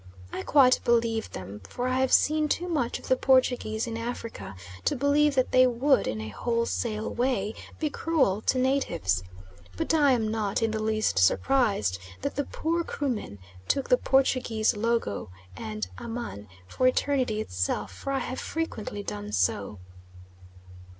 I quite believe them, for I have seen too much of the Portuguese in Africa to believe that they would, in a wholesale way, be cruel to natives. But I am not in the least surprised that the poor Krumen took the Portuguese logo and amanha for Eternity itself, for I have frequently done so.